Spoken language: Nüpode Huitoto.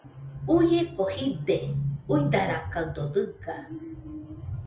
Uieko jide, uidarakaɨdo dɨga.